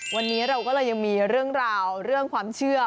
วันนี้เราก็เลยยังมีเรื่องราวเรื่องความเชื่อ